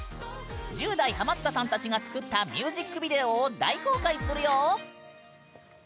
１０代ハマったさんたちが作ったミュージックビデオを大公開するよ！